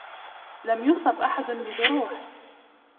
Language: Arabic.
لم يصب أحد بجروح